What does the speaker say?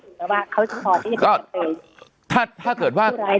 เพราะว่าเขาจะพอด้วย